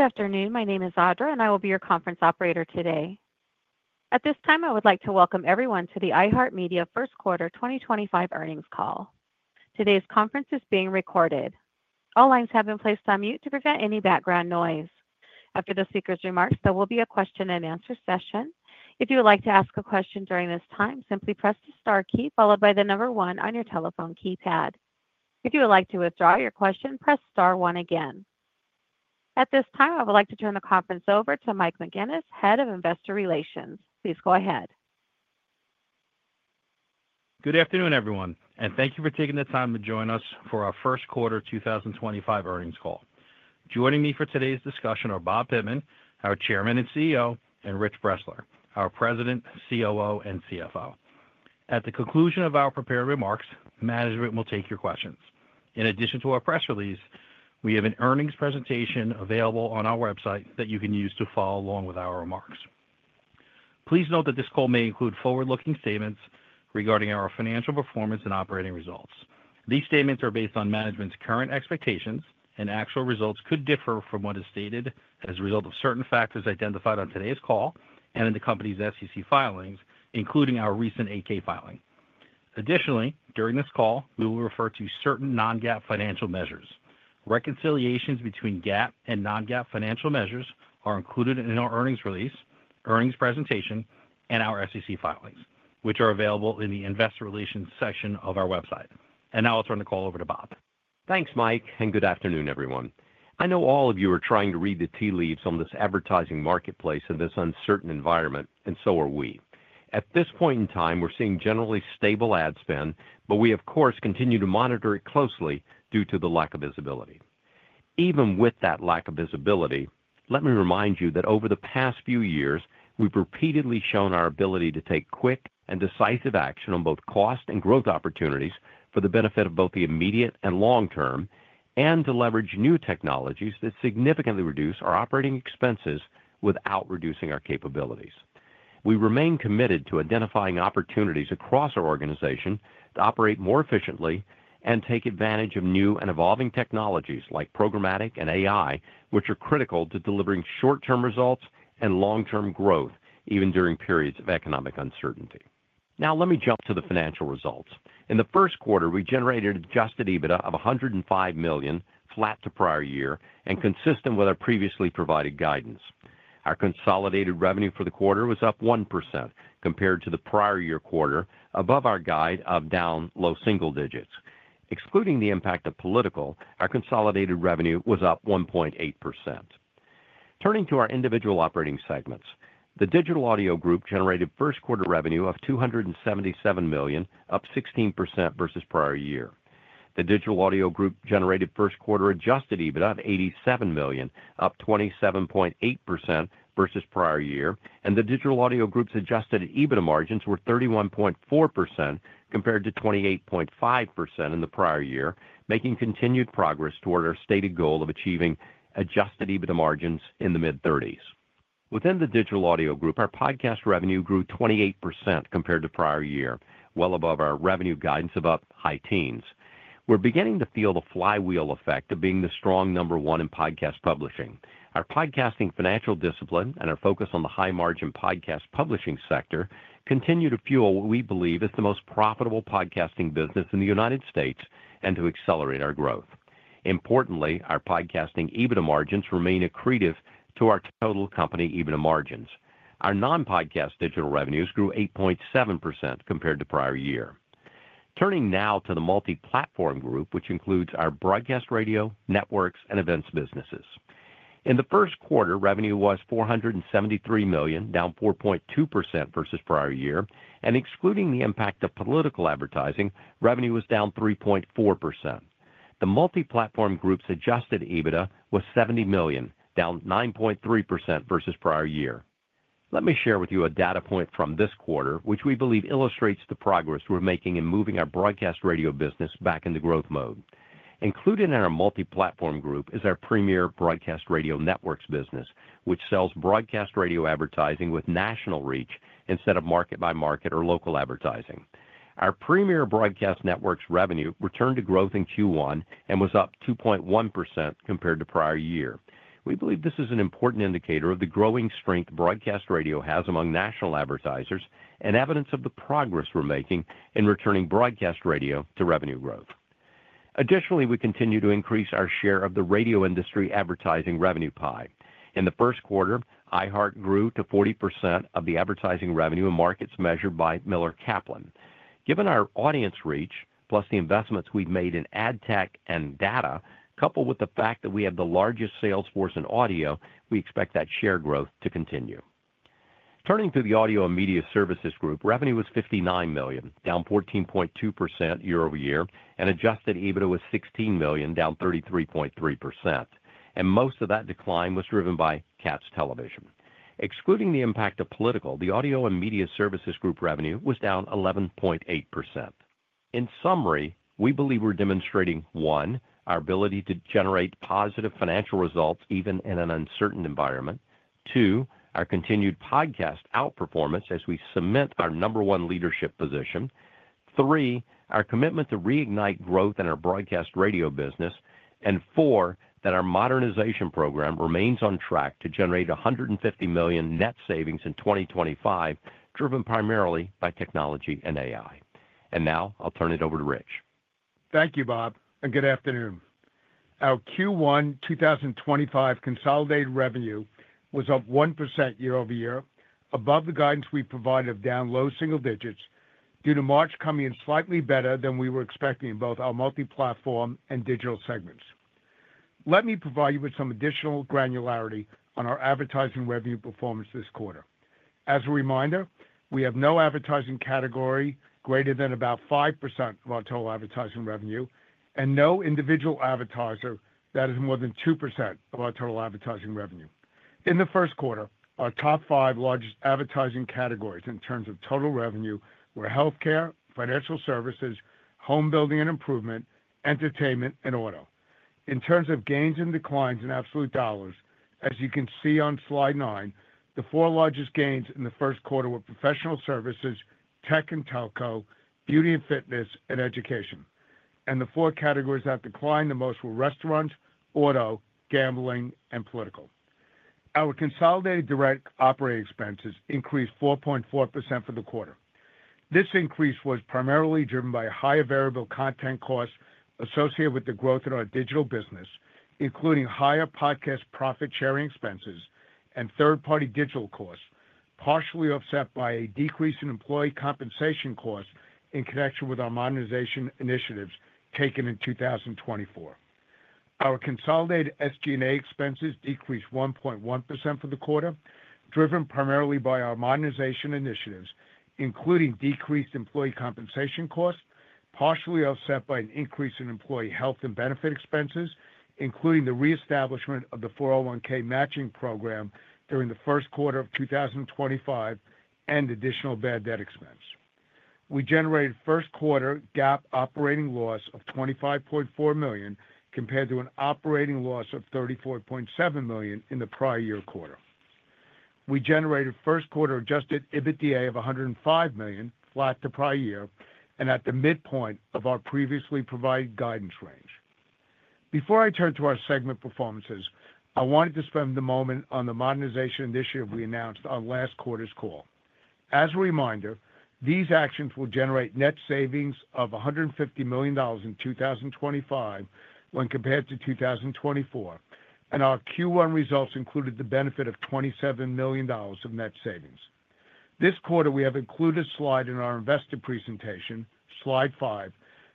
Good afternoon. My name is Audra, and I will be your conference operator today. At this time, I would like to welcome everyone to the iHeartMedia First Quarter 2025 earnings call. Today's conference is being recorded. All lines have been placed on mute to prevent any background noise. After the speaker's remarks, there will be a question-and-answer session. If you would like to ask a question during this time, simply press the star key followed by the number one on your telephone keypad. If you would like to withdraw your question, press star one again. At this time, I would like to turn the conference over to Mike McGuinness, Head of Investor Relations. Please go ahead. Good afternoon, everyone, and thank you for taking the time to join us for our First Quarter 2025 earnings call. Joining me for today's discussion are Bob Pittman, our Chairman and CEO, and Rich Bressler, our President, COO, and CFO. At the conclusion of our prepared remarks, management will take your questions. In addition to our press release, we have an earnings presentation available on our website that you can use to follow along with our remarks. Please note that this call may include forward-looking statements regarding our financial performance and operating results. These statements are based on management's current expectations, and actual results could differ from what is stated as a result of certain factors identified on today's call and in the company's SEC filings, including our recent 8K filing. Additionally, during this call, we will refer to certain non-GAAP financial measures. Reconciliations between GAAP and non-GAAP financial measures are included in our earnings release, earnings presentation, and our SEC filings, which are available in the Investor Relations section of our website. I will turn the call over to Bob. Thanks, Mike, and good afternoon, everyone. I know all of you are trying to read the tea leaves on this advertising marketplace in this uncertain environment, and so are we. At this point in time, we're seeing generally stable ad spend, but we, of course, continue to monitor it closely due to the lack of visibility. Even with that lack of visibility, let me remind you that over the past few years, we've repeatedly shown our ability to take quick and decisive action on both cost and growth opportunities for the benefit of both the immediate and long term, and to leverage new technologies that significantly reduce our operating expenses without reducing our capabilities. We remain committed to identifying opportunities across our organization to operate more efficiently and take advantage of new and evolving technologies like programmatic and AI, which are critical to delivering short-term results and long-term growth, even during periods of economic uncertainty. Now, let me jump to the financial results. In the first quarter, we generated adjusted EBITDA of $105 million, flat to prior year and consistent with our previously provided guidance. Our consolidated revenue for the quarter was up 1% compared to the prior year quarter, above our guide of down low single digits. Excluding the impact of political, our consolidated revenue was up 1.8%. Turning to our individual operating segments, the Digital Audio Group generated first quarter revenue of $277 million, up 16% versus prior year. The Digital Audio Group generated first quarter adjusted EBITDA of $87 million, up 27.8% versus prior year, and the Digital Audio Group's adjusted EBITDA margins were 31.4% compared to 28.5% in the prior year, making continued progress toward our stated goal of achieving adjusted EBITDA margins in the mid-30s. Within the Digital Audio Group, our podcast revenue grew 28% compared to prior year, well above our revenue guidance of up high teens. We're beginning to feel the flywheel effect of being the strong number one in podcast publishing. Our podcasting financial discipline and our focus on the high-margin podcast publishing sector continue to fuel what we believe is the most profitable podcasting business in the United States and to accelerate our growth. Importantly, our podcasting EBITDA margins remain accretive to our total company EBITDA margins. Our non-podcast digital revenues grew 8.7% compared to prior year. Turning now to the multi-platform group, which includes our broadcast radio, networks, and events businesses. In the first quarter, revenue was $473 million, down 4.2% versus prior year, and excluding the impact of political advertising, revenue was down 3.4%. The multi-platform group's adjusted EBITDA was $70 million, down 9.3% versus prior year. Let me share with you a data point from this quarter, which we believe illustrates the progress we're making in moving our broadcast radio business back into growth mode. Included in our multi-platform group is our Premiere Broadcast Networks business, which sells broadcast radio advertising with national reach instead of market-by-market or local advertising. Our Premiere Broadcast Networks revenue returned to growth in Q1 and was up 2.1% compared to prior year. We believe this is an important indicator of the growing strength broadcast radio has among national advertisers and evidence of the progress we're making in returning broadcast radio to revenue growth. Additionally, we continue to increase our share of the radio industry advertising revenue pie. In the first quarter, iHeart grew to 40% of the advertising revenue in markets measured by Miller Kaplan. Given our audience reach, plus the investments we've made in ad tech and data, coupled with the fact that we have the largest sales force in audio, we expect that share growth to continue. Turning to the audio and media services group, revenue was $59 million, down 14.2% year over year, and adjusted EBITDA was $16 million, down 33.3%. Most of that decline was driven by Katz Television. Excluding the impact of political, the audio and media services group revenue was down 11.8%. In summary, we believe we're demonstrating, one, our ability to generate positive financial results even in an uncertain environment, two, our continued podcast outperformance as we cement our number one leadership position, three, our commitment to reignite growth in our broadcast radio business, and four, that our modernization program remains on track to generate $150 million net savings in 2025, driven primarily by technology and AI. Now I'll turn it over to Rich. Thank you, Bob, and good afternoon. Our Q1 2025 consolidated revenue was up 1% year over year, above the guidance we provided of down low single digits, due to March coming in slightly better than we were expecting in both our multi-platform and digital segments. Let me provide you with some additional granularity on our advertising revenue performance this quarter. As a reminder, we have no advertising category greater than about 5% of our total advertising revenue, and no individual advertiser that is more than 2% of our total advertising revenue. In the first quarter, our top five largest advertising categories in terms of total revenue were healthcare, financial services, home building and improvement, entertainment, and auto. In terms of gains and declines in absolute dollars, as you can see on slide nine, the four largest gains in the first quarter were professional services, tech and telco, beauty and fitness, and education. The four categories that declined the most were restaurant, auto, gambling, and political. Our consolidated direct operating expenses increased 4.4% for the quarter. This increase was primarily driven by higher variable content costs associated with the growth in our digital business, including higher podcast profit-sharing expenses and third-party digital costs, partially offset by a decrease in employee compensation costs in connection with our modernization initiatives taken in 2024. Our consolidated SG&A expenses decreased 1.1% for the quarter, driven primarily by our modernization initiatives, including decreased employee compensation costs, partially offset by an increase in employee health and benefit expenses, including the reestablishment of the 401(k) matching program during the first quarter of 2025, and additional bad debt expense. We generated first quarter GAAP operating loss of $25.4 million compared to an operating loss of $34.7 million in the prior year quarter. We generated first quarter adjusted EBITDA of $105 million, flat to prior year, and at the midpoint of our previously provided guidance range. Before I turn to our segment performances, I wanted to spend the moment on the modernization initiative we announced on last quarter's call. As a reminder, these actions will generate net savings of $150 million in 2025 when compared to 2024, and our Q1 results included the benefit of $27 million of net savings. This quarter, we have included a slide in our investor presentation, slide five,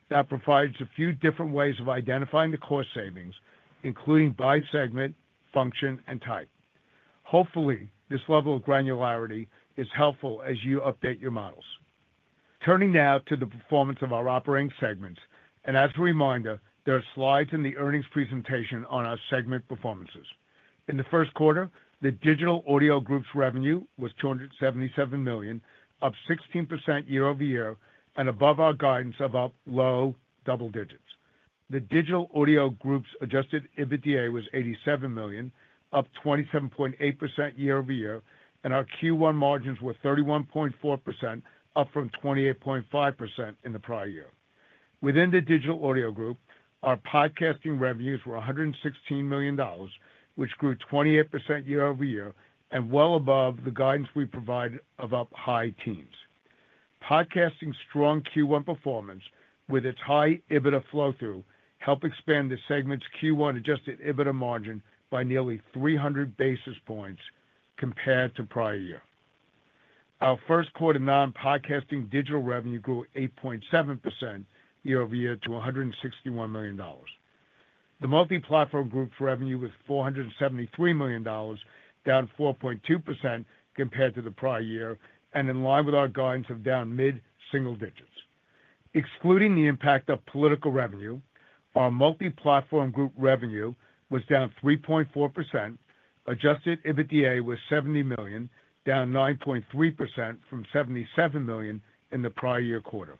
that provides a few different ways of identifying the core savings, including by segment, function, and type. Hopefully, this level of granularity is helpful as you update your models. Turning now to the performance of our operating segments, and as a reminder, there are slides in the earnings presentation on our segment performances. In the first quarter, the Digital Audio Group's revenue was $277 million, up 16% year over year, and above our guidance of up low double digits. The Digital Audio Group's adjusted EBITDA was $87 million, up 27.8% year over year, and our Q1 margins were 31.4%, up from 28.5% in the prior year. Within the Digital Audio Group, our podcasting revenues were $116 million, which grew 28% year over year, and well above the guidance we provided of up high teens. Podcasting's strong Q1 performance, with its high EBITDA flow-through, helped expand the segment's Q1 adjusted EBITDA margin by nearly 300 basis points compared to prior year. Our first quarter non-podcasting digital revenue grew 8.7% year over year to $161 million. The multi-platform group's revenue was $473 million, down 4.2% compared to the prior year, and in line with our guidance of down mid-single digits. Excluding the impact of political revenue, our multi-platform group revenue was down 3.4%. Adjusted EBITDA was $70 million, down 9.3% from $77 million in the prior year quarter.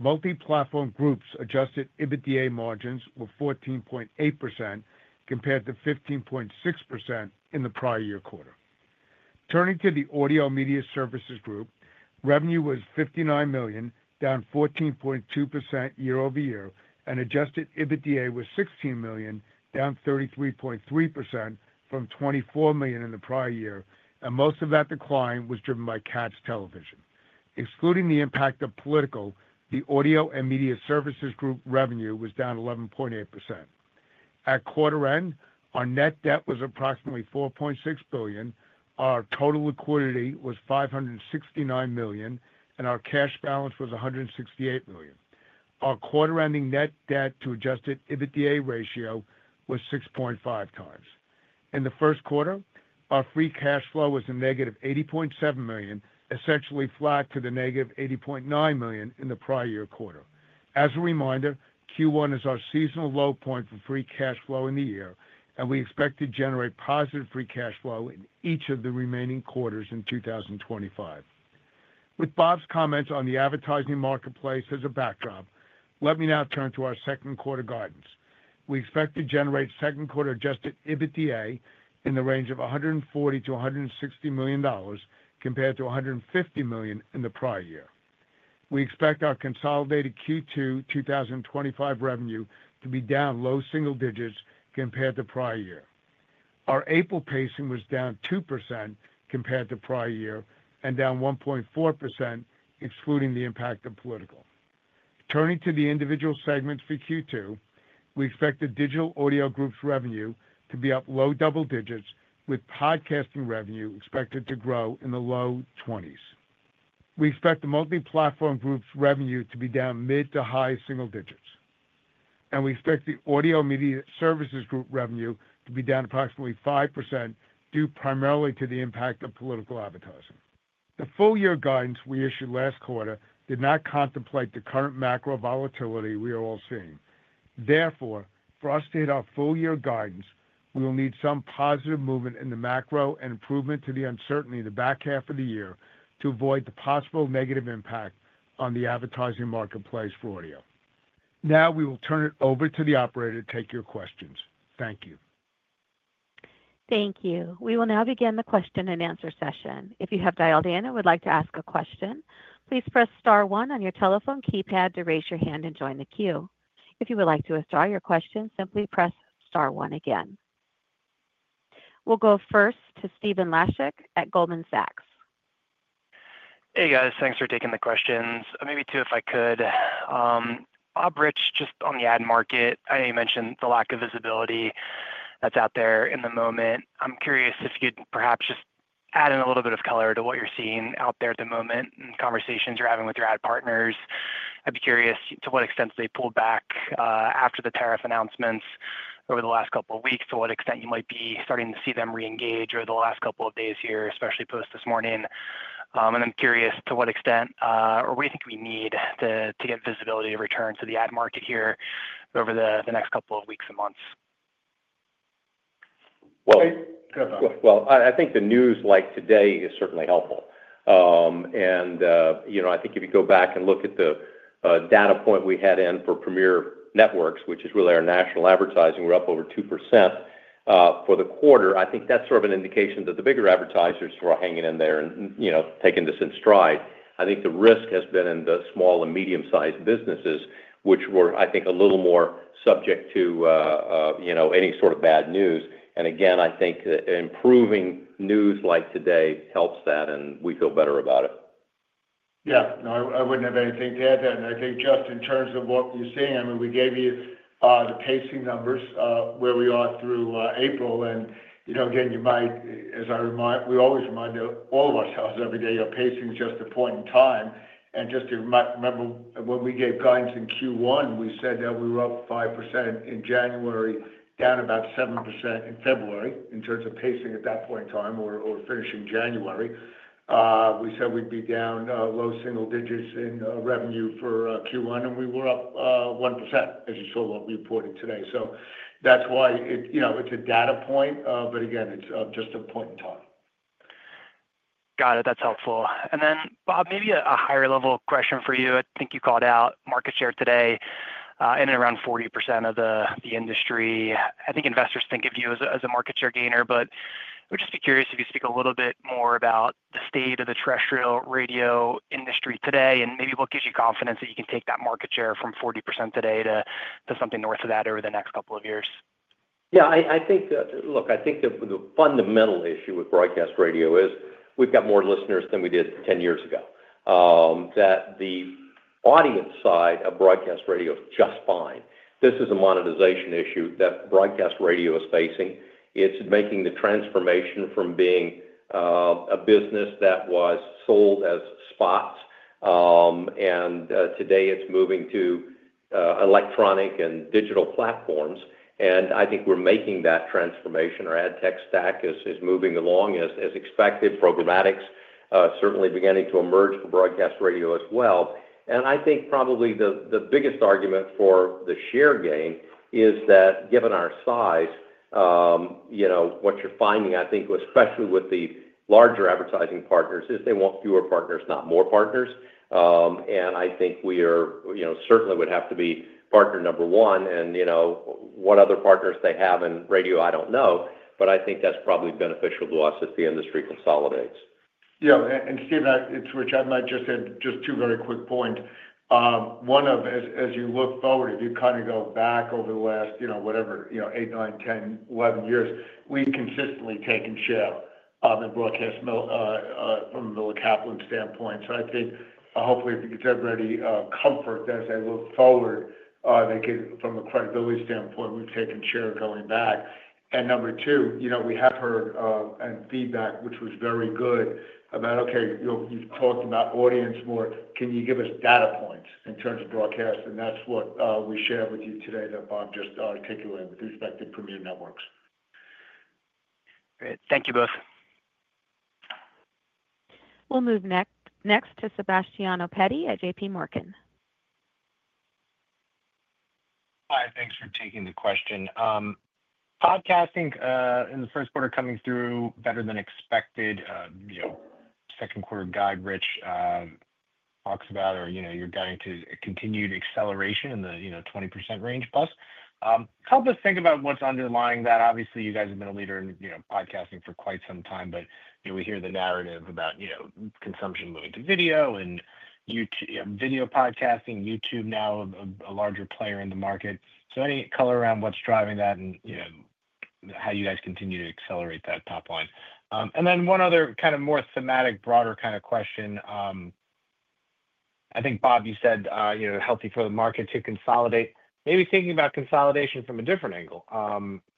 Multi-platform group's adjusted EBITDA margins were 14.8% compared to 15.6% in the prior year quarter. Turning to the audio media services group, revenue was $59 million, down 14.2% year over year, and adjusted EBITDA was $16 million, down 33.3% from $24 million in the prior year, and most of that decline was driven by Katz Television. Excluding the impact of political, the Audio and Media Services Group revenue was down 11.8%. At quarter end, our net debt was approximately $4.6 billion. Our total liquidity was $569 million, and our cash balance was $168 million. Our quarter-ending net debt to Adjusted EBITDA ratio was 6.5 times. In the first quarter, our free cash flow was a negative $80.7 million, essentially flat to the negative $80.9 million in the prior year quarter. As a reminder, Q1 is our seasonal low point for free cash flow in the year, and we expect to generate positive free cash flow in each of the remaining quarters in 2025. With Bob's comments on the advertising marketplace as a backdrop, let me now turn to our second quarter guidance. We expect to generate second quarter Adjusted EBITDA in the range of $140-$160 million compared to $150 million in the prior year. We expect our consolidated Q2 2025 revenue to be down low single digits compared to prior year. Our April pacing was down 2% compared to prior year and down 1.4%, excluding the impact of political. Turning to the individual segments for Q2, we expect the Digital Audio Group's revenue to be up low double digits, with podcasting revenue expected to grow in the low 20s. We expect the multi-platform group's revenue to be down mid to high single digits. We expect the audio media services group revenue to be down approximately 5%, due primarily to the impact of political advertising. The full-year guidance we issued last quarter did not contemplate the current macro volatility we are all seeing. Therefore, for us to hit our full-year guidance, we will need some positive movement in the macro and improvement to the uncertainty in the back half of the year to avoid the possible negative impact on the advertising marketplace for audio. Now we will turn it over to the operator to take your questions. Thank you. Thank you. We will now begin the question and answer session. If you have dialed in and would like to ask a question, please press star one on your telephone keypad to raise your hand and join the queue. If you would like to withdraw your question, simply press star one again. We'll go first to Stephen Laszczyk at Goldman Sachs. Hey, guys. Thanks for taking the questions. Maybe two, if I could. Bob, Rich, just on the ad market, I know you mentioned the lack of visibility that's out there in the moment. I'm curious if you'd perhaps just add in a little bit of color to what you're seeing out there at the moment in conversations you're having with your ad partners. I'd be curious to what extent they pulled back after the tariff announcements over the last couple of weeks, to what extent you might be starting to see them reengage over the last couple of days here, especially post this morning. I'm curious to what extent or what do you think we need to get visibility to return to the ad market here over the next couple of weeks and months? I think the news like today is certainly helpful. I think if you go back and look at the data point we had in for Premiere Networks, which is really our national advertising, we're up over 2% for the quarter. I think that's sort of an indication that the bigger advertisers who are hanging in there and taking this in stride. I think the risk has been in the small and medium-sized businesses, which were, I think, a little more subject to any sort of bad news. I think improving news like today helps that, and we feel better about it. Yeah. No, I wouldn't have anything to add to that. I think just in terms of what you're seeing, I mean, we gave you the pacing numbers where we are through April. Again, you might, as I remind, we always remind all of ourselves every day, our pacing is just a point in time. Just to remember, when we gave guidance in Q1, we said that we were up 5% in January, down about 7% in February in terms of pacing at that point in time or finishing January. We said we'd be down low single digits in revenue for Q1, and we were up 1%, as you saw what we reported today. That's why it's a data point, but again, it's just a point in time. Got it. That's helpful. Bob, maybe a higher-level question for you. I think you called out market share today in and around 40% of the industry. I think investors think of you as a market share gainer, but I would just be curious if you could speak a little bit more about the state of the terrestrial radio industry today and maybe what gives you confidence that you can take that market share from 40% today to something north of that over the next couple of years? Yeah. I think, look, I think the fundamental issue with broadcast radio is we've got more listeners than we did 10 years ago, that the audience side of broadcast radio is just fine. This is a monetization issue that broadcast radio is facing. It's making the transformation from being a business that was sold as spots, and today it's moving to electronic and digital platforms. I think we're making that transformation. Our ad tech stack is moving along as expected. Programmatic is certainly beginning to emerge for broadcast radio as well. I think probably the biggest argument for the share gain is that, given our size, what you're finding, I think, especially with the larger advertising partners, is they want fewer partners, not more partners. I think we certainly would have to be partner number one. What other partners they have in radio, I don't know, but I think that's probably beneficial to us as the industry consolidates. Yeah. Stephen, Rich, I might just add just two very quick points. One of, as you look forward, if you kind of go back over the last, whatever, 8, 9, 10, 11 years, we've consistently taken share in broadcast from a Miller Kaplan standpoint. I think, hopefully, if you could get everybody comfort that as they look forward, they could, from a credibility standpoint, we've taken share going back. Number two, we have heard feedback, which was very good, about, "Okay, you've talked about audience more. Can you give us data points in terms of broadcast?" That is what we share with you today that Bob just articulated with respect to Premiere Networks. Great. Thank you both. We'll move next to Sebastiano Petty at J.P. Morgan. Hi. Thanks for taking the question. Podcasting in the first quarter coming through better than expected. Second quarter guide, Rich, talks about your guiding to continued acceleration in the 20% range plus. Help us think about what's underlying that. Obviously, you guys have been a leader in podcasting for quite some time, but we hear the narrative about consumption moving to video and video podcasting. YouTube now a larger player in the market. Any color around what's driving that and how you guys continue to accelerate that top line? One other kind of more thematic, broader kind of question. I think, Bob, you said healthy for the market to consolidate. Maybe thinking about consolidation from a different angle.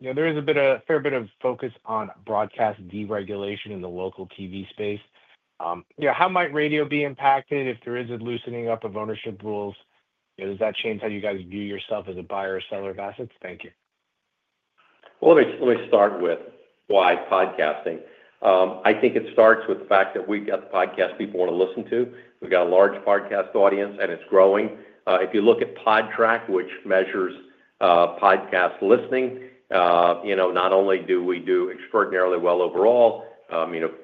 There is a fair bit of focus on broadcast deregulation in the local TV space. How might radio be impacted if there is a loosening up of ownership rules? Does that change how you guys view yourself as a buyer or seller of assets? Thank you. Let me start with why podcasting. I think it starts with the fact that we've got the podcast people want to listen to. We've got a large podcast audience, and it's growing. If you look at Podtrac, which measures podcast listening, not only do we do extraordinarily well overall,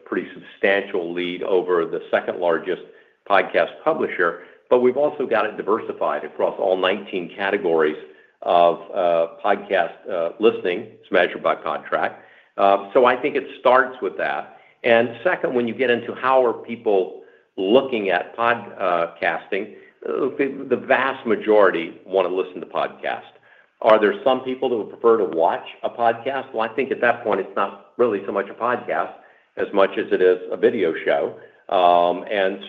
pretty substantial lead over the second largest podcast publisher, but we've also got it diversified across all 19 categories of podcast listening. It's measured by Podtrac. I think it starts with that. Second, when you get into how are people looking at podcasting, the vast majority want to listen to podcasts. Are there some people that would prefer to watch a podcast? I think at that point, it's not really so much a podcast as much as it is a video show.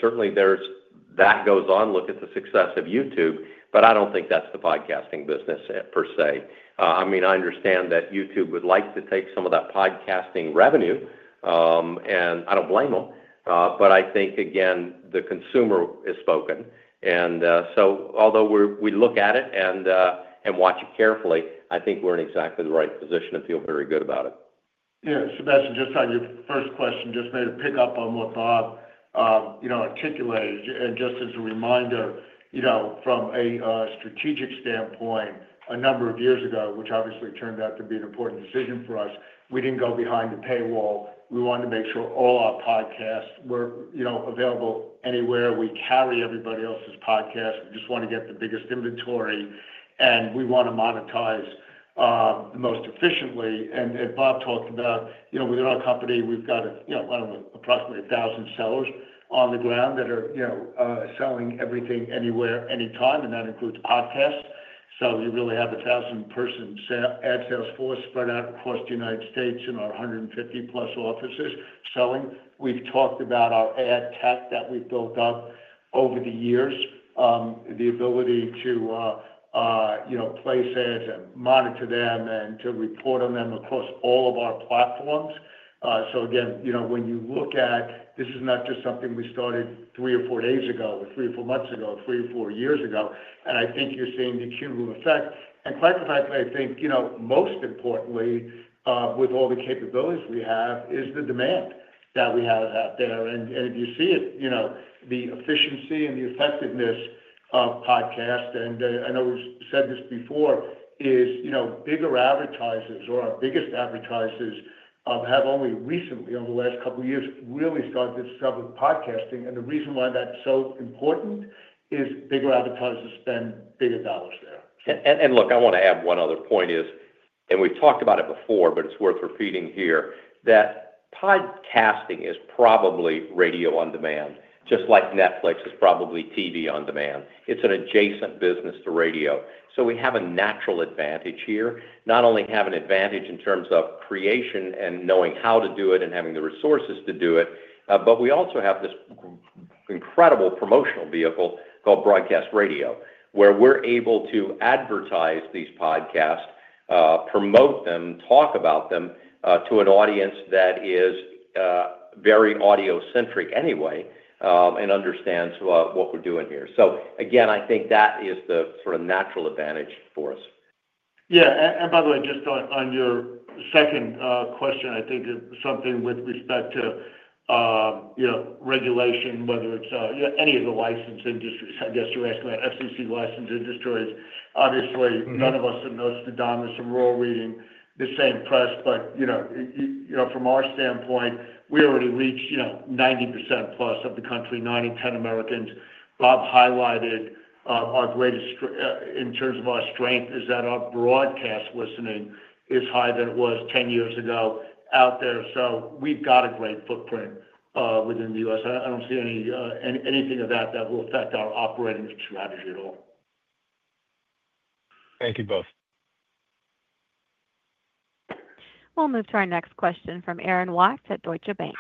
Certainly, that goes on. Look at the success of YouTube, but I don't think that's the podcasting business per se. I mean, I understand that YouTube would like to take some of that podcasting revenue, and I don't blame them, but I think, again, the consumer is spoken. Although we look at it and watch it carefully, I think we're in exactly the right position to feel very good about it. Yeah. Sebastiano, just on your first question, just made a pickup on what Bob articulated. And just as a reminder, from a strategic standpoint, a number of years ago, which obviously turned out to be an important decision for us, we did not go behind the paywall. We wanted to make sure all our podcasts were available anywhere. We carry everybody else's podcasts. We just want to get the biggest inventory, and we want to monetize the most efficiently. And Bob talked about, within our company, we have approximately 1,000 sellers on the ground that are selling everything anywhere, anytime, and that includes podcasts. You really have a 1,000-person ad sales force spread out across the United States in our 150-plus offices selling. We've talked about our ad tech that we've built up over the years, the ability to place ads and monitor them and to report on them across all of our platforms. Again, when you look at, this is not just something we started three or four days ago or three or four months ago, three or four years ago, and I think you're seeing the cumulative effect. Quite frankly, I think most importantly, with all the capabilities we have, is the demand that we have out there. If you see it, the efficiency and the effectiveness of podcasts, and I know we've said this before, is bigger advertisers or our biggest advertisers have only recently, over the last couple of years, really started to discover podcasting. The reason why that's so important is bigger advertisers spend bigger dollars there. Look, I want to add one other point, and we've talked about it before, but it's worth repeating here, that podcasting is probably radio on demand, just like Netflix is probably TV on demand. It's an adjacent business to radio. We have a natural advantage here. Not only have an advantage in terms of creation and knowing how to do it and having the resources to do it, but we also have this incredible promotional vehicle called broadcast radio, where we're able to advertise these podcasts, promote them, talk about them to an audience that is very audio-centric anyway and understands what we're doing here. I think that is the sort of natural advantage for us. Yeah. By the way, just on your second question, I think something with respect to regulation, whether it's any of the licensed industries, I guess you're asking about FCC licensed industries. Obviously, none of us are, notice the dominance of rural reading, the same press, but from our standpoint, we already reach 90% plus of the country, 90, 10 Americans. Bob highlighted our greatest in terms of our strength is that our broadcast listening is higher than it w.as 10 years ago out there. We've got a great footprint within the U.S. I don't see anything of that that will affect our operating strategy at all. Thank you both. We'll move to our next question from Aaron Watts at Deutsche Bank.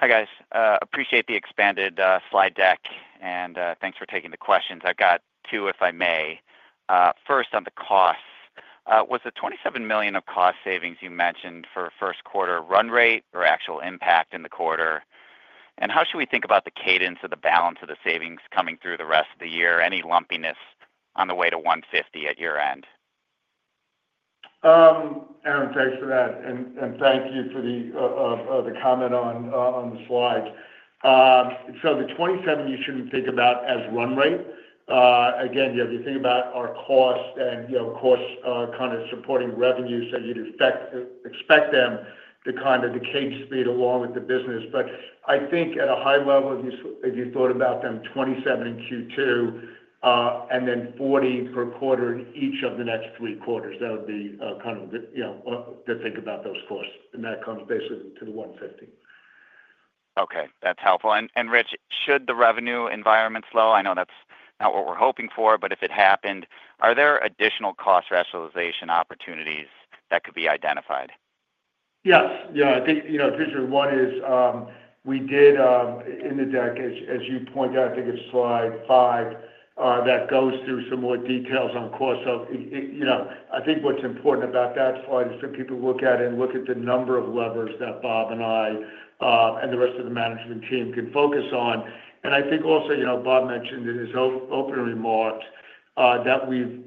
Hi guys. Appreciate the expanded slide deck, and thanks for taking the questions. I've got two, if I may. First, on the costs. Was the $27 million of cost savings you mentioned for first quarter run rate or actual impact in the quarter? How should we think about the cadence of the balance of the savings coming through the rest of the year? Any lumpiness on the way to $150 million at year end? Aaron, thanks for that. Thank you for the comment on the slides. The $27 million, you should not think about as run rate. Again, you have to think about our cost and, of course, kind of supporting revenues that you would expect them to kind of decay speed along with the business. I think at a high level, if you thought about them $27 million in Q2 and then $40 million per quarter in each of the next three quarters, that would be kind of the think about those costs. That comes basically to the $150 million. Okay. That's helpful. Rich, should the revenue environment slow? I know that's not what we're hoping for, but if it happened, are there additional cost rationalization opportunities that could be identified? Yes. Yeah. I think vision one is we did in the deck, as you point out, I think it's slide five, that goes through some more details on cost. I think what's important about that slide is for people to look at it and look at the number of levers that Bob and I and the rest of the management team can focus on. I think also, Bob mentioned in his opening remarks that we've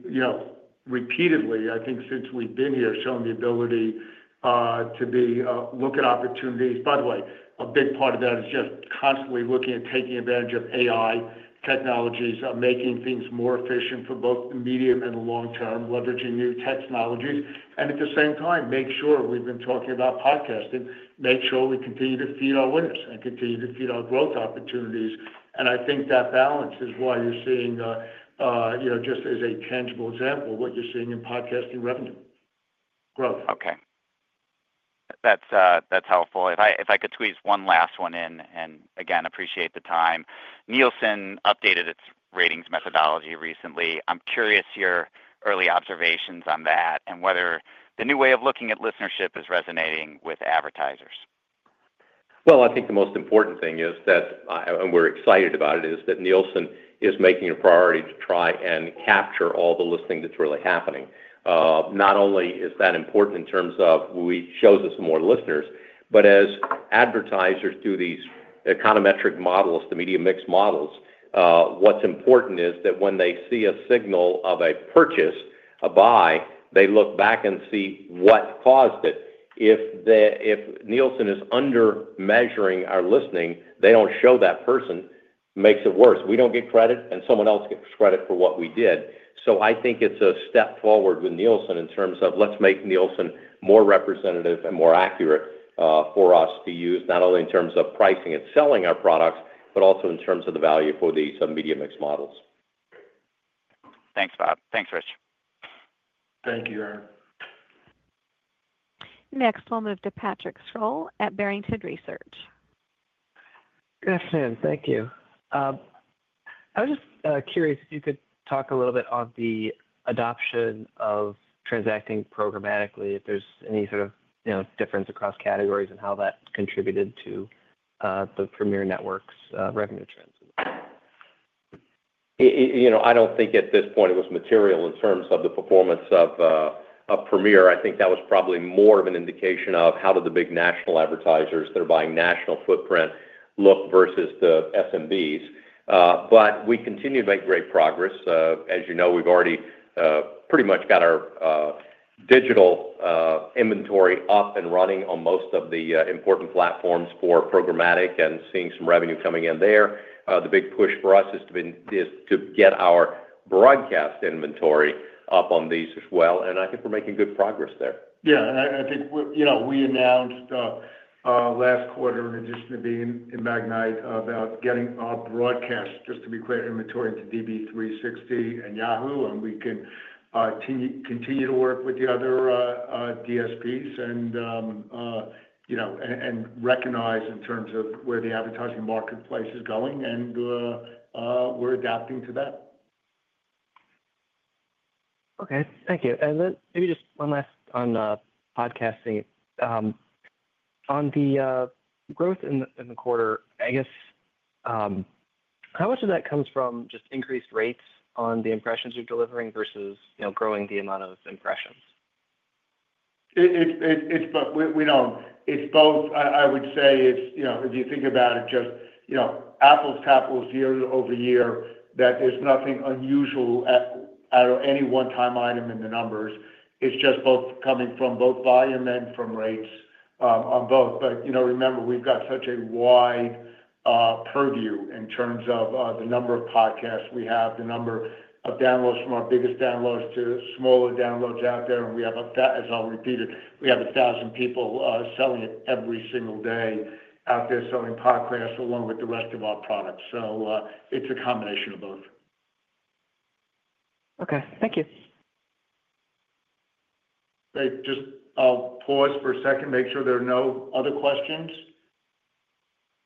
repeatedly, I think since we've been here, shown the ability to look at opportunities. By the way, a big part of that is just constantly looking at taking advantage of AI technologies, making things more efficient for both the medium and the long term, leveraging new technologies. At the same time, make sure we've been talking about podcasting, make sure we continue to feed our winners and continue to feed our growth opportunities. I think that balance is why you're seeing, just as a tangible example, what you're seeing in podcasting revenue growth. Okay. That's helpful. If I could squeeze one last one in, and again, appreciate the time. Nielsen updated its ratings methodology recently. I'm curious your early observations on that and whether the new way of looking at listenership is resonating with advertisers. I think the most important thing is that, and we're excited about it, is that Nielsen is making a priority to try and capture all the listening that's really happening. Not only is that important in terms of it shows us more listeners, but as advertisers do these econometric models, the media mix models, what's important is that when they see a signal of a purchase, a buy, they look back and see what caused it. If Nielsen is undermeasuring our listening, they don't show that person, makes it worse. We don't get credit, and someone else gets credit for what we did. I think it's a step forward with Nielsen in terms of let's make Nielsen more representative and more accurate for us to use, not only in terms of pricing and selling our products, but also in terms of the value for these media mix models. Thanks, Bob. Thanks, Rich. Thank you, Aaron. Next, we'll move to Patrick Scholl at Barrington Research. Good afternoon. Thank you. I was just curious if you could talk a little bit on the adoption of transacting programmatically, if there's any sort of difference across categories and how that contributed to the Premiere Networks' revenue trends? I don't think at this point it was material in terms of the performance of Premiere. I think that was probably more of an indication of how did the big national advertisers that are buying national footprint look versus the SMBs. We continue to make great progress. As you know, we've already pretty much got our digital inventory up and running on most of the important platforms for programmatic and seeing some revenue coming in there. The big push for us is to get our broadcast inventory up on these as well. I think we're making good progress there. Yeah. I think we announced last quarter, in addition to being in Magnite, about getting our broadcast, just to be clear, inventory into DV360 and Yahoo, and we can continue to work with the other DSPs and recognize in terms of where the advertising marketplace is going, and we're adapting to that. Okay. Thank you. Maybe just one last on podcasting. On the growth in the quarter, I guess, how much of that comes from just increased rates on the impressions you're delivering versus growing the amount of impressions? It's both. I would say if you think about it, just apples to apples year over year, that there's nothing unusual out of any onew-time item in the numbers. It's just both coming from both volume and from rates on both. Remember, we've got such a wide purview in terms of the number of podcasts we have, the number of downloads from our biggest downloads to smaller downloads out there. We have a—and I'll repeat it—we have 1,000 people selling it every single day out there selling podcasts along with the rest of our products. It is a combination of both. Okay. Thank you. Great. I'll pause for a second, make sure there are no other questions.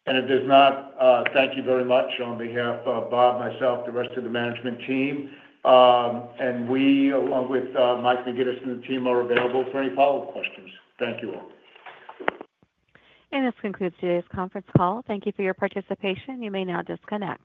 If there's not, thank you very much on behalf of Bob, myself, the rest of the management team. We, along with Mike McGuinness and the team, are available for any follow-up questions. Thank you all. This concludes today's conference call. Thank you for your participation. You may now disconnect.